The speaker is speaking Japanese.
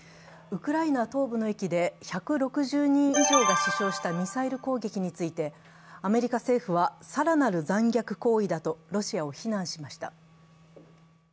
ウクライナ東部の駅で１６０人以上が死傷したミサイル攻撃についてアメリカ政府は更なる残虐行為だとロシアを非難しました。